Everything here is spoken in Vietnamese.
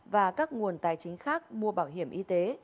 và các nguồn tài chính khác mua bảo hiểm y tế